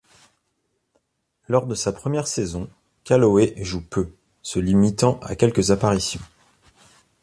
Lors de sa première saison, Calloway joue peu, se limitant à quelques apparitions.